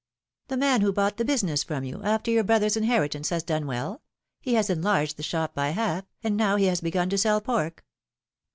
^^The man who bought the business from you, after your brother's inheritance, has done well; he has enlarged the shop by half, and now he has begun to sell pork."